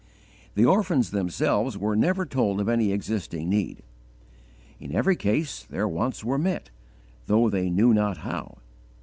The orphans themselves were never told of any existing need; in every case their wants were met, though they knew not how.